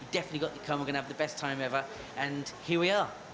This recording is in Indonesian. dan kita sudah sampai